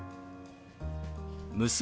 「娘」。